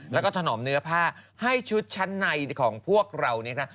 แล้วก็ถนอมเนื้อผ้าให้ชุดชั้นในของพวกเราเนี่ยค่ะ